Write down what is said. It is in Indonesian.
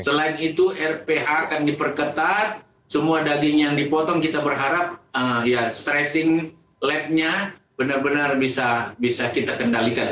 selain itu rph akan diperketat semua daging yang dipotong kita berharap stressing labnya benar benar bisa kita kendalikan